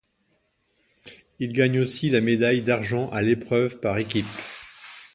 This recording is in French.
Il gagne aussi la médaille d'argent à l'épreuve par équipes.